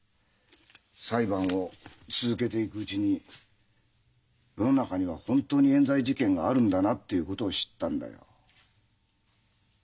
裁判を続けていくうちに世の中には本当に冤罪事件があるんだなということを知ったんだよ。